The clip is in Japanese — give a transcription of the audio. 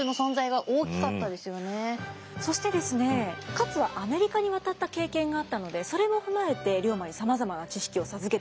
勝はアメリカに渡った経験があったのでそれも踏まえて龍馬にさまざまな知識を授けています。